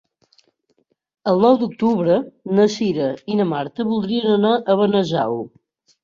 El nou d'octubre na Cira i na Marta voldrien anar a Benasau.